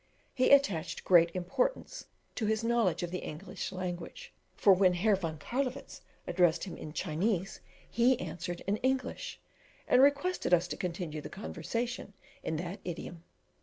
He attached great importance to his knowledge of the English language, for when Herr von Carlowitz addressed him in Chinese, he answered in English, and requested us to continue the conversation in that idiom.